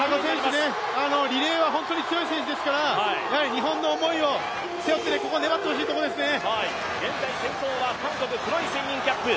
田中選手、リレーはホントに強い選手ですからやはり日本の思いを背負ってここ粘ってほしいところですね。